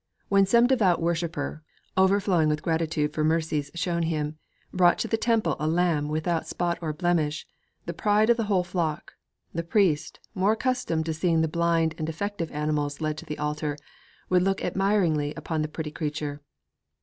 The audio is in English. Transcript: When some devout worshiper, overflowing with gratitude for mercies shown him, brought to the temple a lamb without spot or blemish, the pride of the whole flock, the priest, more accustomed to seeing the blind and defective animals led to the altar, would look admiringly upon the pretty creature.